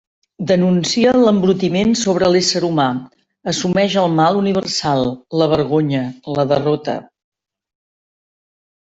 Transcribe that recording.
Denuncia l'embrutiment sobre l'ésser humà, assumeix el mal universal, la vergonya, la derrota.